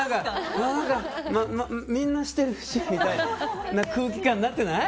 みんなしてるしみたいな空気感になってない？